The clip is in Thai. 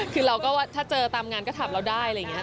คือเราก็ถ้าเจอตามงานก็ถามเราได้อะไรอย่างนี้